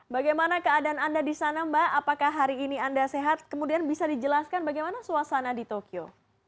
bagaimana keadaan anda di sana mbak apakah hari ini anda sehat kemudian bisa dijelaskan bagaimana suasana di tokyo